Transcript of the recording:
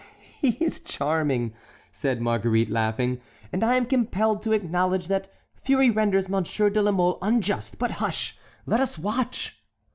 "He is charming," said Marguerite, laughing, "and I am compelled to acknowledge that fury renders Monsieur de La Mole unjust; but hush! let us watch!"